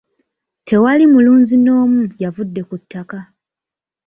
Tewali mulunzi n'omu yavudde ku ttaka.